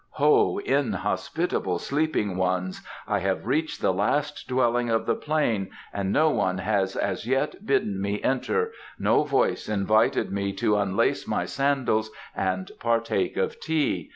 "Ho, inhospitable sleeping ones, I have reached the last dwelling of the plain and no one has as yet bidden me enter, no voice invited me to unlace my sandals and partake of tea.